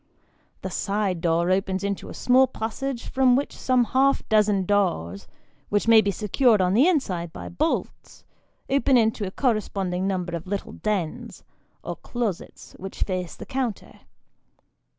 The side door opens into a small passage from which some half dozen doors (which may be secured on the inside by bolts) open into a corresponding number of little dens, or closets, which face the counter.